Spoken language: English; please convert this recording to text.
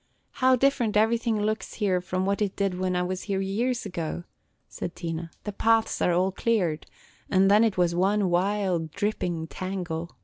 "How different everything looks here from what it did when I was here years ago!" said Tina, – "the paths are all cleared, and then it was one wild, dripping tangle.